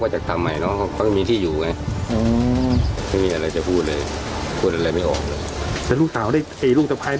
เขาก็ไม่มีที่อยู่ไงไม่มีอะไรจะพูดเลยพูดอะไรไม่ออกเลย